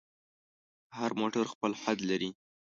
هر موټر خپل حد لري.